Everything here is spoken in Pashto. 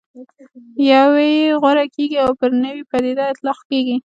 یوه یې غوره کېږي او پر نوې پدیدې اطلاق کېږي.